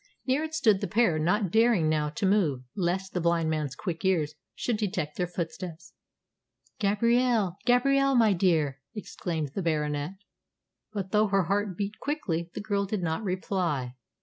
Near it stood the pair, not daring now to move lest the blind man's quick ears should detect their footsteps. "Gabrielle! Gabrielle, my dear!" exclaimed the Baronet. But though her heart beat quickly, the girl did not reply.